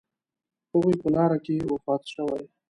هغوی په لاره کې وفات شوي.